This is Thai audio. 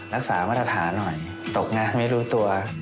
รักษามาตรฐานหน่อยตกงานไม่รู้ตัว